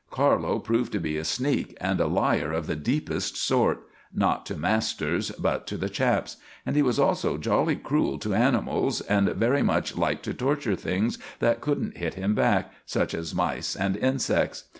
Carlo proved to be a sneak and a liar of the deepest sort not to masters, but to the chaps; and he was also jolly cruel to animals, and very much liked to torture things that couldn't hit him back, such as mice and insects.